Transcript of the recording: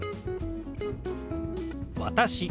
「私」。